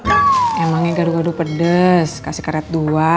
emangnya gado gado pedes kasih karet dua